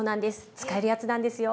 使えるやつなんですよ！